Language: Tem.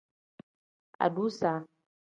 Adusa.